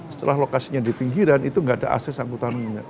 setelah lokasinya di pinggiran itu nggak ada akses angkutan minyak